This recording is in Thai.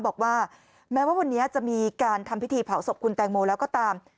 บอกว่าแม้ว่าวันนี้จะมีการทำพิธีเผาศพคุณแตงโมแล้วก็ตาม